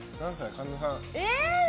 神田さん。